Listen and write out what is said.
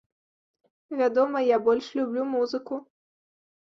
Вядома, я больш люблю музыку!